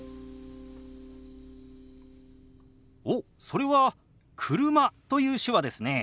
おっそれは「車」という手話ですね。